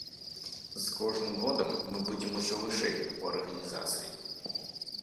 З кожным годам мы будзем усё вышэй у арганізацыі.